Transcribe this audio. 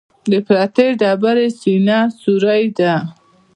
د پرتې ډبرې سینه سورۍ ده.